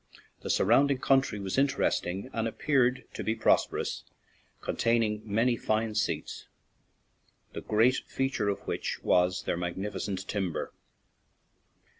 The surrounding country was interesting and appeared to be prosperous, contain ing many fine seats, the great feature of which was their magnificent timber.